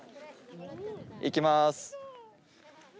いきます！